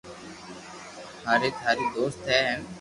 ھاري ٿارو دوست ھين